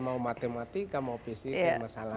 mau matematika mau fisika masalah lain